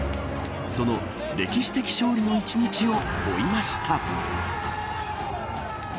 その歴史的勝利の１日を追いました。